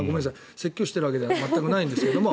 説教しているわけではないんですけれども。